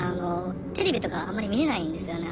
テレビとかあんまり見れないんですよね。